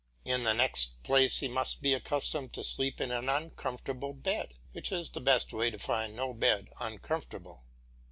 In the next place he must be accustomed to sleep in an uncomfortable bed, which is the best way to find no bed uncomfortable.